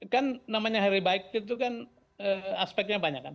kan namanya hari baik itu kan aspeknya banyak kan